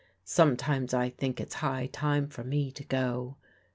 Sometimes I think it's high time for me to go.